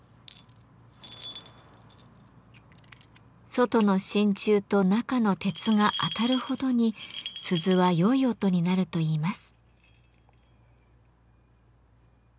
外の真鍮と中の鉄が当たるほどに鈴は良い音になるといいます。